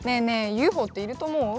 ＵＦＯっていると思う？